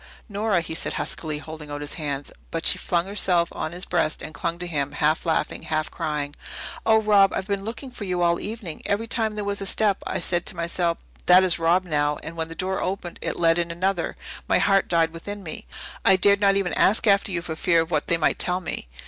"Nora!" he said huskily, holding out his hand. But she flung herself on his breast and clung to him, half laughing, half crying. "Oh, Rob! I've been looking for you all the evening. Every time there was a step I said to myself, 'That is Rob, now.' And when the door opened to let in another, my heart died within me. I dared not even ask after you for fear of what they might tell me.